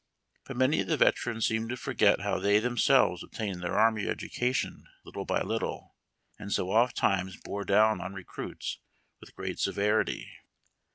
But many of the veterans seemed to forget how they themselves obtained their army education little by little, and so ofttimes bore down on recruits with great severity.